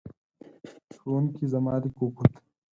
ښوونکې زما لیک وکوت.